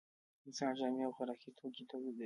انسان جامې او خوراکي توکي تولیدوي